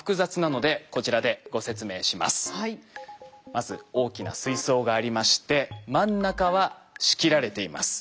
まず大きな水槽がありまして真ん中は仕切られています。